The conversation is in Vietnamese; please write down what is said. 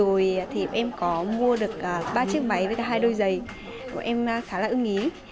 rồi thì em có mua được ba chiếc máy với cả hai đôi giày bọn em khá là ưng ý